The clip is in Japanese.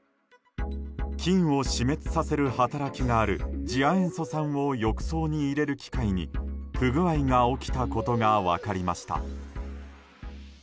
菌を死滅させる働きがある次亜塩素酸を浴槽に入れる機械に不具合が起きたことが分かりました。